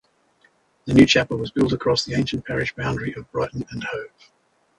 The new chapel was built across the ancient parish boundary of Brighton and Hove.